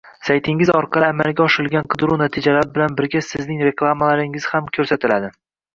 saytingiz orqali amalga oshirilgan qidiruv natijalari bilan birga Sizning reklamalaringiz ham ko’rsatiladi